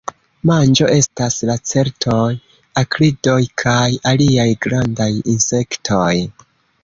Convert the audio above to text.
Manĝo estas lacertoj, akridoj kaj aliaj grandaj insektoj.